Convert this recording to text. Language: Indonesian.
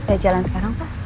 kita jalan sekarang pak